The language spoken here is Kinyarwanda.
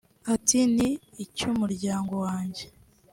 ati “Ni icy’umuryango wanjye